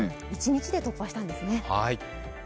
１日で突破したんですね。